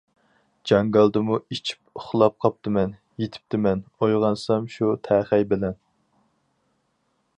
جاڭگالدىمۇ ئىچىپ ئۇخلاپ قاپتىمەن، يېتىپتىمەن ئويغانسام شۇ تەخەي بىلەن.